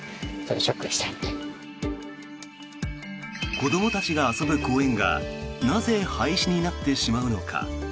子どもたちが遊ぶ公園がなぜ廃止になってしまうのか。